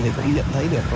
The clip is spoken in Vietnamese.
thì cũng nhận thấy được